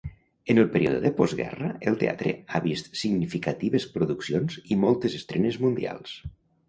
En el període de postguerra, el teatre ha vist significatives produccions i moltes estrenes mundials.